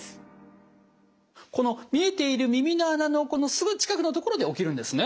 この見えている耳の穴のすぐ近くのところで起きるんですね？